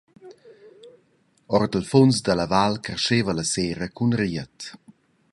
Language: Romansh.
Ord il funs dalla val carscheva la sera cun ried.